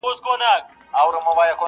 دنیا فاني ده بیا به وکړی ارمانونه!